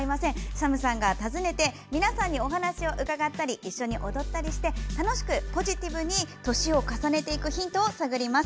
ＳＡＭさんが訪ねて皆さんと一緒に踊ったりして楽しくポジティブに年を重ねていくヒントを探ります。